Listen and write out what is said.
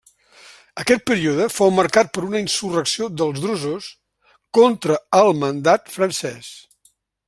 Aquest període fou marcat per una insurrecció dels drusos contra el mandat francès.